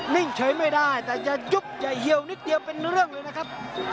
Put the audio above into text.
นิ่งเฉยไม่ได้แต่อย่ายุบอย่าเหี่ยวนิดเดียวเป็นเรื่องเลยนะครับ